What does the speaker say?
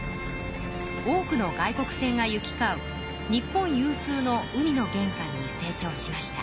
多くの外国船が行きかう日本有数の海のげんかんに成長しました。